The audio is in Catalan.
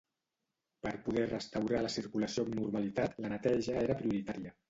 Per poder restaurar la circulació amb normalitat, la neteja era prioritària.